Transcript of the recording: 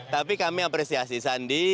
tapi kami apresiasi sandi